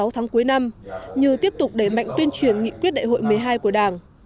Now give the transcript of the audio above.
sáu tháng cuối năm như tiếp tục đẩy mạnh tuyên truyền nghị quyết đại hội một mươi hai của đảng